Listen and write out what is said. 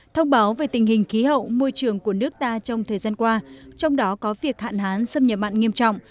thông báo về tình hình khí hậu môi trường của nước ta trong thời gian qua trong đó có việc hạn hán xâm nhập mặn nghiêm trọng